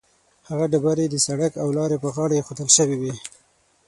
هغه ډبرې د سړک او لارې پر غاړه ایښودل شوې وي.